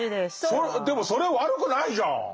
でもそれは悪くないじゃん！